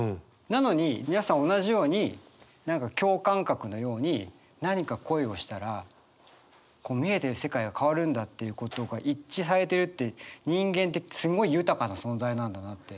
なのに皆さん同じように何か共感覚のように何か恋をしたら見えてる世界が変わるんだっていうことが一致されてるって人間ってすごい豊かな存在なんだなって。